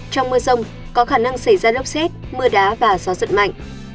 trong mưa rông có khả năng xảy ra lốc xét mưa đá và gió giật mạnh